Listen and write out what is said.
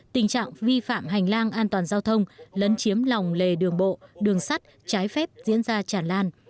tình trạng vi phạm hành lang an toàn giao thông lấn chiếm lòng lề đường bộ đường sắt trái phép diễn ra tràn lan